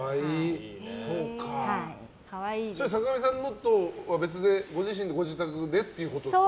坂上さんのとは別でご自身のご自宅でっていうことですか？